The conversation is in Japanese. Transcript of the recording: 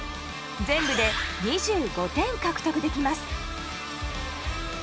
全部で２５点獲得できます。